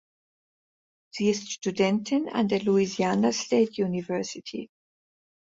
Sie ist Studentin an der Louisiana State University.